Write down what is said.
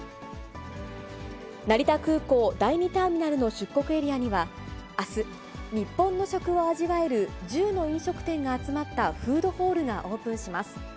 成田空港第２ターミナルの出国エリアにはあす、日本の食を味わえる１０の飲食店が集まったフードホールがオープンします。